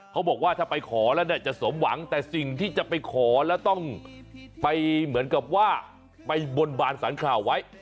เขาบอกว่าถ้าไปขอแล้วเนี่ยจะสมหวังแต่สิ่งที่จะไปขอแล้วต้องไปเหมือนกับว่าไปบนบานสารข่าวไว้